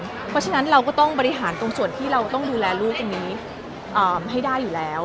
เพราะฉะนั้นเราก็ต้องบริหารตรงส่วนที่เราต้องดูแลลูกอันนี้ให้ได้อยู่แล้ว